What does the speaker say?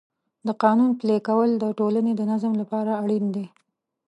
د قانون پلي کول د ټولنې د نظم لپاره اړین دی.